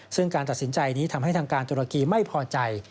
ซึ่งการตัดสินใจนี้ทำให้ทางการตุรกีไม่พอใจ